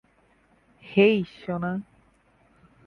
হেই, সোনা।